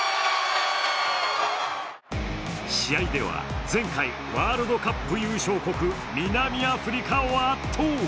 試合では、前回ワールドカップ優勝国・南アフリカを圧倒！